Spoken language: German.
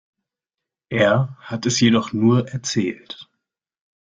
Er hat es jedoch nur erzählt.